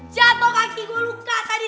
jatuh kaki luka tadi